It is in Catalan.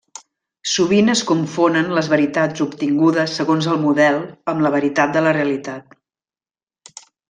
Sovint es confonen les veritats obtingudes segons el model amb la veritat de la realitat.